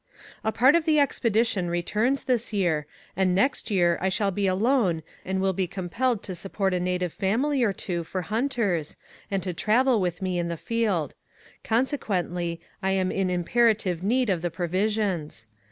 A part of the expedition returns this year, and next year I shall be alone and will be compelled to support a native family or two for hunters and to travel with me in the field; consequently I am in imperative need of the provisions.